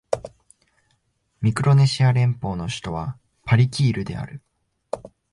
ミクロネシア連邦の首都はパリキールである